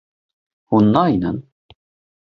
Hûn nayînin.